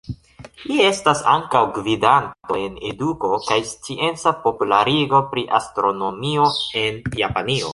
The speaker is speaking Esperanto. Li estas ankaŭ gvidanto en eduko kaj scienca popularigo pri astronomio en Japanio.